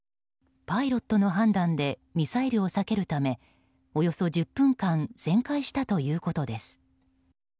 パイロットの判断でミサイルを避けるためおよそ１０分間旋回したということです。